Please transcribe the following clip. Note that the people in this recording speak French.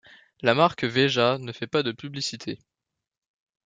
La marque Veja ne fait pas de publicité.